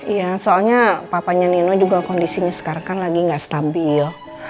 iya soalnya papanya nino juga kondisinya sekarang kan lagi nggak stabil